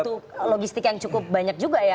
itu logistik yang cukup banyak juga ya